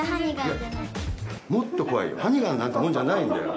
もっと怖いよハニガンなんてもんじゃないんだよ